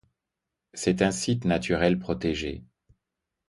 C'est un site naturel protégé.